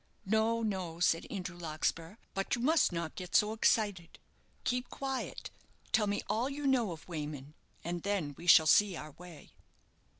"No, no," said Andrew Larkspur, "but you must not get so excited; keep quiet tell me all you know of Wayman, and then we shall see our way."